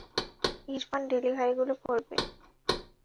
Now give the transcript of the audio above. ইরফান ডেলিভারিগুলো করবে।